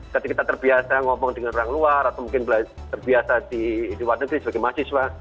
ketika terbiasa ngomong dengan orang luar atau mungkin terbiasa di luar negeri sebagai mahasiswa